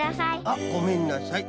あっごめんなさい。